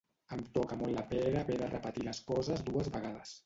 Em toca molt la pera haver de repetir les coses dues vegades.